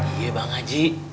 iya bang haji